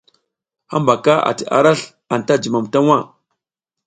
Hambaka ati arasl anta jum ta waʼa.